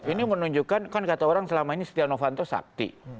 ini menunjukkan kan kata orang selama ini setia novanto sakti